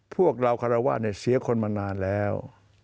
พวกเราคารวาสเสียคนมานานแล้ว